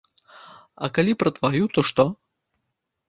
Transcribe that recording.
А калі пра тваю, то што?